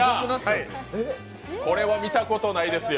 これは見たことないですよ。